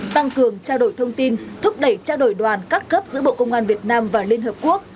tăng cường trao đổi thông tin thúc đẩy trao đổi đoàn các cấp giữa bộ công an việt nam và liên hợp quốc